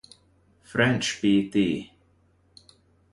French pt.